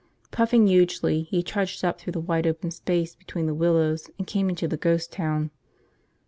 Puffing hugely, he trudged up through the wide open space between the willows and came into the ghost town.